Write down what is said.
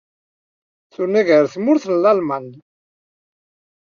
Tunag ar tmurt n Lalman.